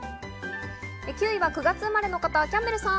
９位は９月生まれの方、キャンベルさん。